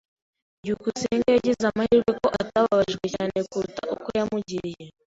byukusenge yagize amahirwe ko atababajwe cyane kuruta uko yamugiriye.